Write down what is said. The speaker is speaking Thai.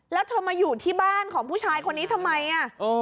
แล้วเธอมาอยู่ที่บ้านของผู้ชายคนนี้ทำไมอ่ะ